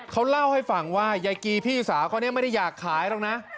เขาเล่าให้ฟังว่ายายกีพี่สาวเขาเนี่ยไม่ได้อยากขายหรอกนะ